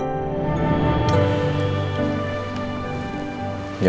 kau mau dateng pak